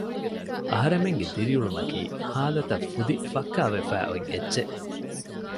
އަހަރެމެންގެ ދިރިއުޅުމަކީ ހާލަތަށް ފުދި ފައްކާވެފައި އޮތް އެއްޗެއް